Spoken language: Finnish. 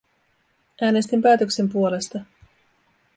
Äänestin päätöksen puolesta.